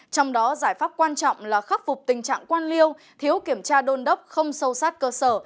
trong đó giải pháp quan trọng là khắc phục tình trạng quan liêu thiếu kiểm tra đôn đốc không sâu sát cơ sở